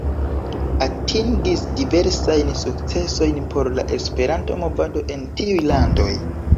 Atingis diversajn sukcesojn por la Esperanto-movado en tiuj landoj.